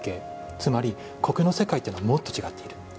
つまり、苔の世界というのはもっと違っている。